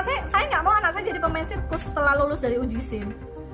saya nggak mau anak saya jadi pemain sirkus setelah lulus dari uji sim